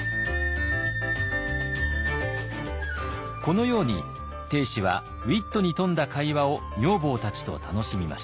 このように定子はウイットに富んだ会話を女房たちと楽しみました。